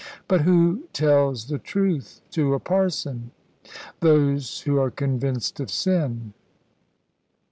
But who tells the truth to a parson?" "Those who are convinced of sin."